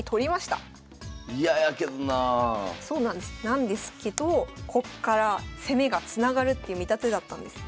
なんですけどこっから攻めがつながるっていう見立てだったんです。